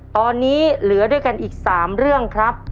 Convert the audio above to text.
ตอนนี้เหลือด้วยกันอีก๓เรื่องครับ